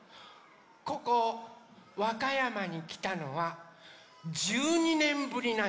ここわかやまにきたのは１２ねんぶりなんです。